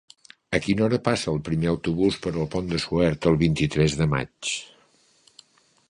A quina hora passa el primer autobús per el Pont de Suert el vint-i-tres de maig?